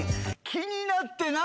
気になってな！